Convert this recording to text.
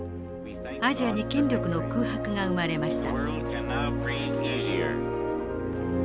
アジアに権力の空白が生まれました。